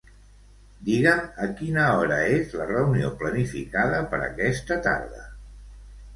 Digue'm a quina hora és la reunió planificada per aquesta tarda.